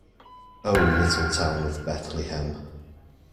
O little town of Bethlehem.